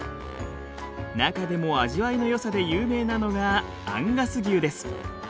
中でも味わいのよさで有名なのがアンガス牛です。